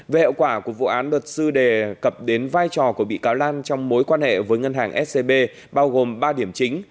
về hậu quả của vụ án luật sư đề cập đến vai trò của bị cáo lan trong mối quan hệ với ngân hàng scb bao gồm ba điểm chính